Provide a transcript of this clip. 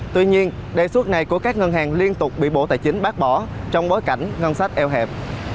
tuy nhiên đề xuất này của các ngân hàng liên tục bị bộ tài chính bác bỏ trong bối cảnh ngân sách eo hẹp